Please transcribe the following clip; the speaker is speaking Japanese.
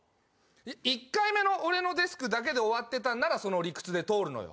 １回目の俺のデスクだけで終わってたんならその理屈で通るのよ。